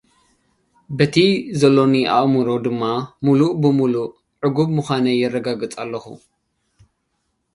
በቲ ዘሎኒ ኣእምሮ ድማ ምሉእ ብምሉእ ዕጉብ ምዃነይ አረጋግጽ ኣለኹ።